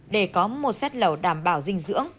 để có một set lầu đảm bảo dinh dưỡng